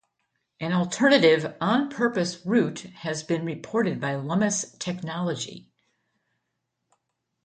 An alternative on-purpose route has been reported by Lummus Technology.